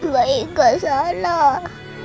baik gak salah